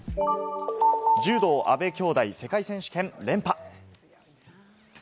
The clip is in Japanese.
柔道・阿部兄妹、世界選手権連覇。